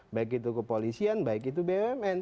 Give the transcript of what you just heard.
baik itu kepolisian baik itu bumn